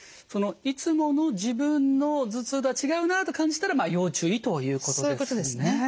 いつもの自分の頭痛とは違うなと感じたら要注意ということですね。